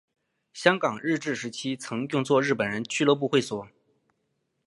香港日治时期曾用作日本人俱乐部会所。